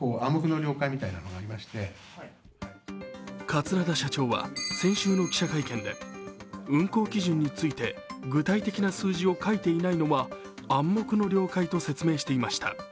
桂田社長は先週の記者会見で運航基準について具体的な数字を書いていないのは、暗黙の了解と説明していました。